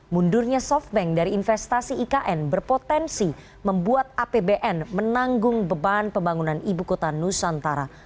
mundurnya softbank dari investasi ikn berpotensi membuat apbn menanggung beban pembangunan ibu kota nusantara